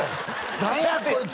何やこいつ！